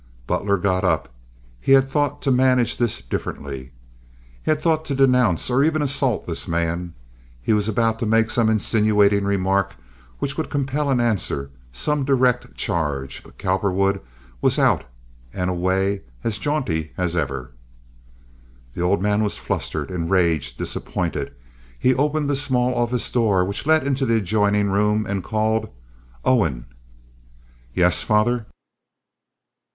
Butler got up. He had thought to manage this differently. He had thought to denounce or even assault this man. He was about to make some insinuating remark which would compel an answer, some direct charge; but Cowperwood was out and away as jaunty as ever. The old man was flustered, enraged, disappointed. He opened the small office door which led into the adjoining room, and called, "Owen!" "Yes, father."